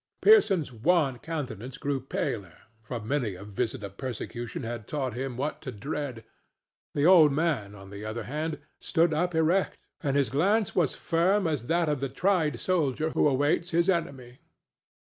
Pearson's wan countenance grew paler, for many a visit of persecution had taught him what to dread; the old man, on the other hand, stood up erect, and his glance was firm as that of the tried soldier who awaits his enemy.